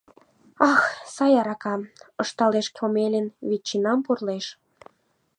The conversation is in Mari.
— Ах, сай арака, — ышталеш Комелин, ветчинам пурлеш.